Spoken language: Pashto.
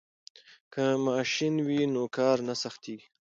که ماشین وي نو کار نه سختیږي.